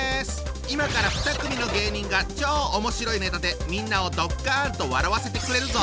今から２組の芸人が超おもしろいネタでみんなをドッカンと笑わせてくれるぞ！